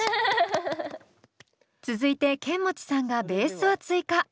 続いてケンモチさんがベースを追加。